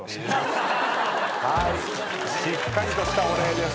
はいしっかりとしたお礼です。